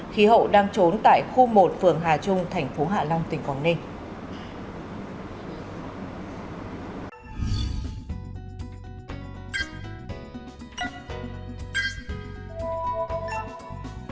khi hậu đang trốn tại khu một phường hà trung thành phố hạ long tỉnh quảng ninh